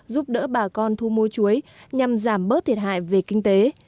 giúp đỡ bà con thu mua chuối nhằm giảm bớt thiệt hại về kinh tế